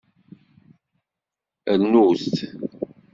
Rnut!